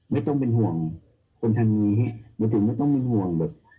ไม่ต้องเป็นห่วงคนทางนี้หมายถึงไม่ต้องเป็นห่วงแบบ